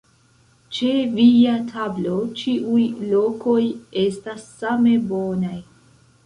Ĉe via tablo ĉiuj lokoj estas same bonaj!